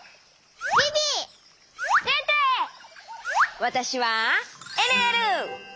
わたしはえるえる！